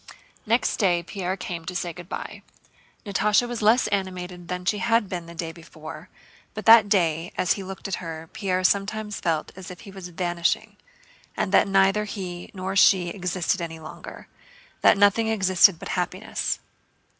Next day Pierre came to say good by. Natásha was less animated than she had been the day before; but that day as he looked at her Pierre sometimes felt as if he was vanishing and that neither he nor she existed any longer, that nothing existed but happiness.